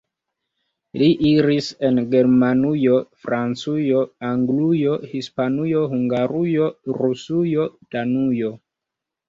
Li iris en Germanujo, Francujo, Anglujo, Hispanujo, Hungarujo, Rusujo, Danujo.